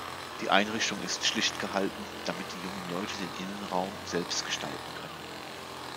Die Einrichtung ist schlicht gehalten, damit die jungen Leute den Innenraum selbst gestalten können.